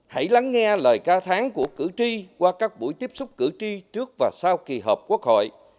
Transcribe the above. hãy lắng nghe lời ca tháng của cử tri qua các buổi tiếp xúc cử tri trước và sau kỳ họp quốc hội